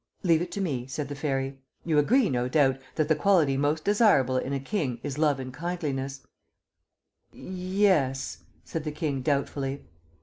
"Leave it to me," said the Fairy. "You agree, no doubt, that the quality most desirable in a king is love and kindliness " "Y yes," said the King doubtfully.